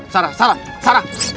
sarah sarah sarah